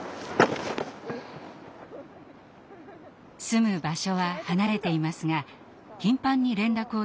住む場所は離れていますが頻繁に連絡を取り合い